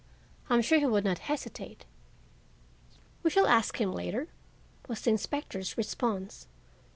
I am sure he would not hesitate." "We shall ask him later," was the inspector's response.